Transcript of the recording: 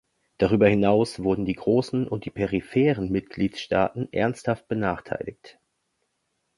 Darüber hinaus wurden die großen und die peripheren Mitgliedstaaten ernsthaft benachteiligt.